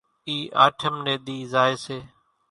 اِي آٺم ني ۮي زائي سي،